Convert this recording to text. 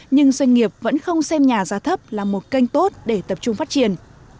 nhưng doanh nghiệp vẫn không xem nhà giá thấp là một kênh tốt để tập trung phát triển